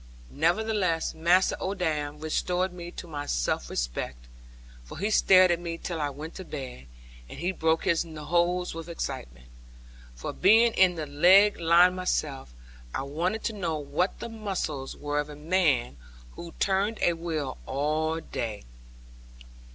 Nevertheless Master Odam restored me to my self respect; for he stared at me till I went to bed; and he broke his hose with excitement. For being in the leg line myself, I wanted to know what the muscles were of a man who turned a wheel all day.